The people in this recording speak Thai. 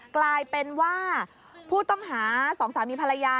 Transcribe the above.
กลายเป็นว่าผู้ต้องหาสองสามีภรรยา